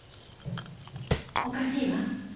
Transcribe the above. おかしいわ。